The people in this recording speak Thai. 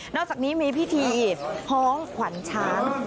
อกจากนี้มีพิธีพ้องขวัญช้าง